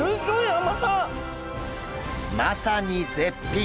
まさに絶品！